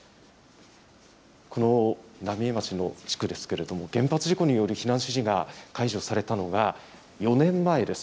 この浪江町の地区ですけれども、原発事故による避難指示が解除されたのが、４年前です。